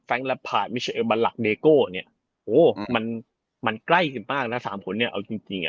แฟงก์ลับผ่านเนี้ยโหมันมันใกล้กันมากนะสามคนเนี้ยเอาจริงจริง